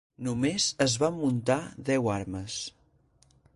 Només es van muntar deu armes.